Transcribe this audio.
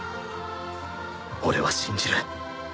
俺は信じる。